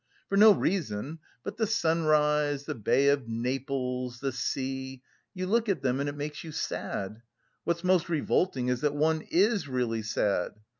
For no reason, but the sunrise, the bay of Naples, the sea you look at them and it makes you sad. What's most revolting is that one is really sad!